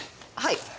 はい。